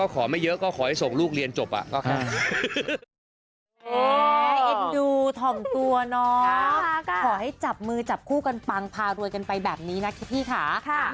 ขอให้จับมือจับคู่กันปังพารวยไปแบบนี้นะพี่ก่อน